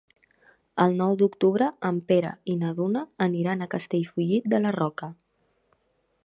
El nou d'octubre en Pere i na Duna aniran a Castellfollit de la Roca.